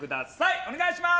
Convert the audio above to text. お願いします。